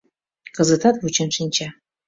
Кызытат вучен шинча.